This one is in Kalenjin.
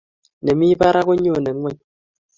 nemi barak kongone nguny